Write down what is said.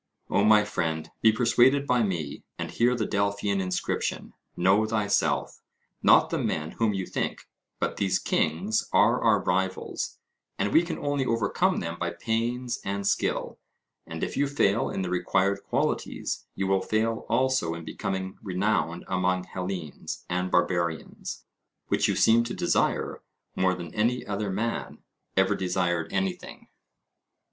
O my friend, be persuaded by me, and hear the Delphian inscription, 'Know thyself' not the men whom you think, but these kings are our rivals, and we can only overcome them by pains and skill. And if you fail in the required qualities, you will fail also in becoming renowned among Hellenes and Barbarians, which you seem to desire more than any other man ever desired anything.